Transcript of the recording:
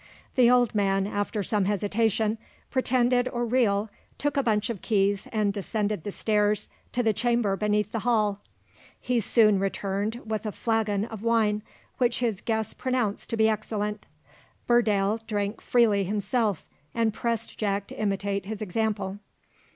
The old man, after some hesitation, pretended or real, took a bunch of keys, and descended the stairs to the chamber beneath the hall. He soon returned with a flagon of wine, which his guests pronounced to be excellent. Burdale drank freely himself, and pressed Jack to imitate his example.